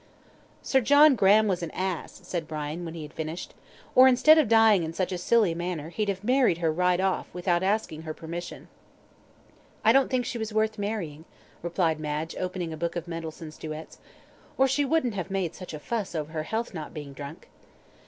"Sir John Graham was an ass," said Brian, when he had finished; "or, instead of dying in such a silly manner, he'd have married her right off, without asking her permission." "I don't think she was worth marrying," replied Madge, opening a book of Mendelssohn's duets; "or she wouldn't have made such a fuss over her health not being drunk."